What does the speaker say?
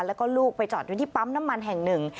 แล้วก็ลูกไปจอดอยู่ที่ปั๊มน้ำมันแห่งหนึ่ง